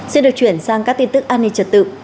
xin được chuyển sang các tin tức an ninh trật tự